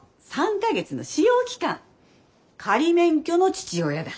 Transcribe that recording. ３か月の試用期間仮免許の父親だ。